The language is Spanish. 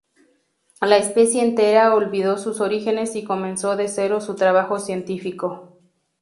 La especie entera olvidó sus orígenes y comenzó de cero su trabajo científico.